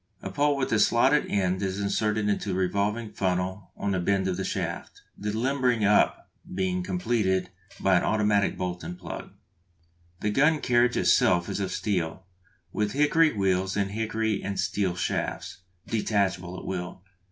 A pole with a slotted end is inserted into a revolving funnel on the bend of the shaft, the limbering up being completed by an automatic bolt and plug. The gun carriage itself is of steel, with hickory wheels and hickory and steel shafts, detachable at will.